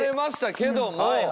けども？